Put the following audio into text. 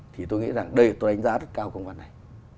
thì tôi nghĩ rằng đây tôi đánh giá rất cao công văn này